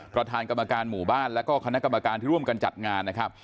ประธานกรรมการหมู่บ้านแล้วก็คณะกรรมการที่ร่วมกันจัดงานนะครับ